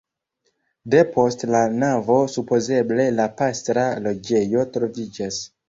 Depost la navo supozeble la pastra loĝejo troviĝas.